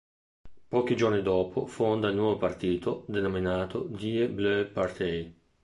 Pochi giorni dopo fonda il nuovo partito, denominato Die Blaue Partei.